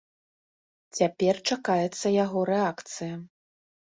Цяпер чакаецца яго рэакцыя.